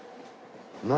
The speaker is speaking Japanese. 何？